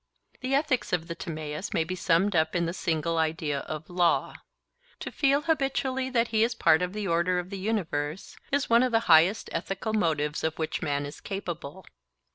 The ethics of the Timaeus may be summed up in the single idea of 'law.' To feel habitually that he is part of the order of the universe, is one of the highest ethical motives of which man is capable.